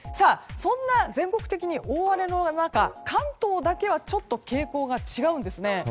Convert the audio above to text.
そんな、全国的に大荒れの中関東だけはちょっと傾向が違うんですね。